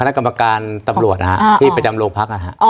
คณะกรรมการตำรวจที่ประจำโลกพักษณ์